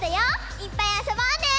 いっぱいあそぼうね！